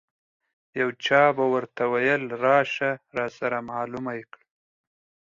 یو چا به ورته ویل راشه راسره معلومه یې کړه.